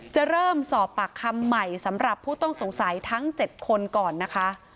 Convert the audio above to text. จะเริ่มสอบปากคำใหม่สำหรับผู้ต้องสงสัยทั้ง๗คนก่อนนะคะ